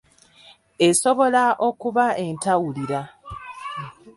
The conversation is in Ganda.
Esobola okuba entawulira.